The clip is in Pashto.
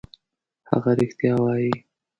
هغه رښتیا وايي.